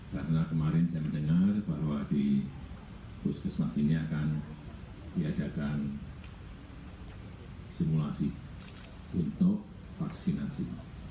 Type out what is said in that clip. karena kemarin saya mendengar bahwa di puskesmas ini akan diadakan simulasi untuk vaksinasi